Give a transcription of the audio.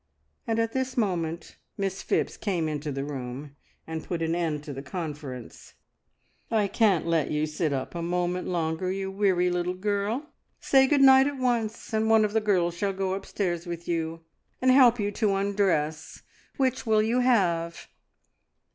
And at this moment Miss Phipps came into the room and put an end to the conference. "I can't let you sit up a moment longer, you weary little girl! Say `Good night' at once, and one of the girls shall go upstairs with you, and help you to undress. Which will you have?"